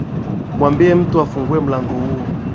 Mwambie mtu afungue mlango huo